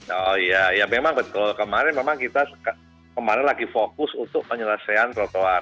oh iya ya memang betul kemarin memang kita kemarin lagi fokus untuk penyelesaian trotoar